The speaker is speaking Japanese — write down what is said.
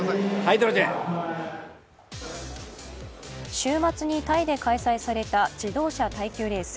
週末にタイで開催された自動車耐久レース。